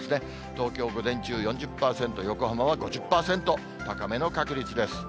東京、午前中４０％、横浜は５０％、高めの確率です。